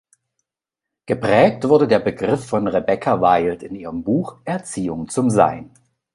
Geprägt wurde der Begriff von Rebeca Wild in ihrem Buch "Erziehung zum Sein".